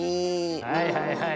はいはいはい。